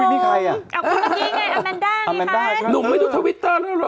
อุ๊ยนี่ใครน่ะอันนี้ใครอันนี้ใครนุ่มไม่ดูทวิตเตอร์แล้วเหรอ